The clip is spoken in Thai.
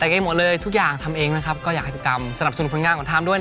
ดังนั้นหมดเลยทุกอย่างทำเองนะครับก็อย่าขัดขลิกกรรม